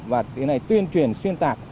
và tuyên truyền xuyên tạc